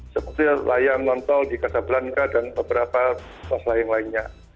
seperti layang non tol di kasablanca dan beberapa sos layang lainnya